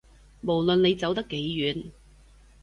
無論你走得幾遠